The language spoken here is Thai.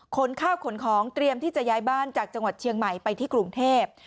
ข้าวขนของเตรียมที่จะย้ายบ้านจากจังหวัดเชียงใหม่ไปที่กรุงเทพ